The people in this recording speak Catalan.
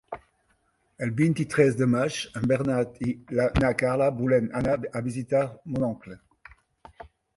El vint-i-tres de maig en Bernat i na Carla volen anar a visitar mon oncle.